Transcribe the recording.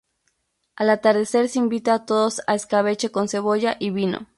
Al atardecer se invita a todos a "escabeche con cebolla y vino.